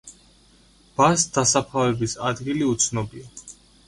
ბას დასაფლავების ადგილი უცნობია.